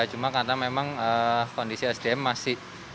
cuma karena memang kondisi sdm masih